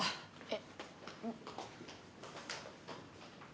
えっ。